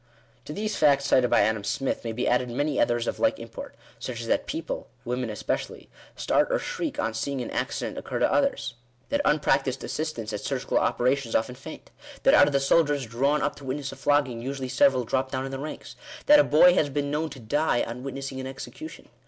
To these facts cited by Adam Smith, may be added many others of like import ; such as that people — women especially — start or shriek on seeing an accident occur to others ; that un practised assistants at surgical operations often faint ; that out of the soldiers drawn up to witness a flogging, usually several drop down in the ranks ; that a boy has been known to die on witnessing an execution.